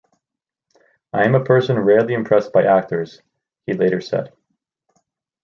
"I am a person rarely impressed by actors," he later said.